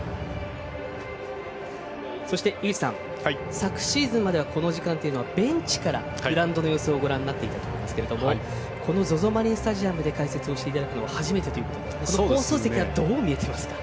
そして、井口さん昨シーズンまではこの時間はベンチからグラウンドの様子をご覧になっていたということですけれどもＺＯＺＯマリンスタジアムで解説していただくのは初めてということで放送席はどう見えていますか。